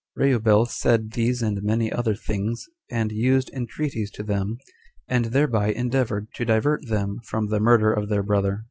2. Reubel said these and many other things, and used entreaties to them, and thereby endeavored to divert them from the murder of their brother.